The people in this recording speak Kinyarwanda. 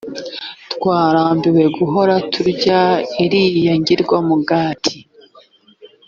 twarambiwe guhora turya iriya ngirwamugati.